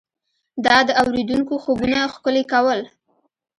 دا د اورېدونکو خوبونه ښکلي کول.